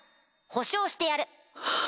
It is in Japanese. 保証してやる！